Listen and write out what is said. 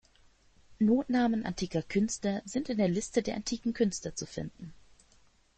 Notnamen antiker Künstler sind in der Liste der antiken Künstler zu finden.